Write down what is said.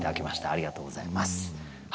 ありがとうございます。